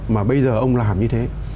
mà bây giờ ông làm như thế